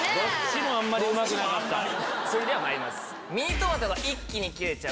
それではまいります。